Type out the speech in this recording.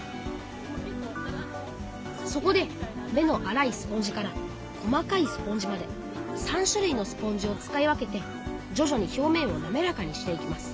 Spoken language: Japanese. そこで目のあらいスポンジから細かいスポンジまで３種類のスポンジを使い分けてじょじょに表面をなめらかにしていきます。